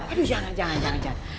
aduh jangan jangan jangan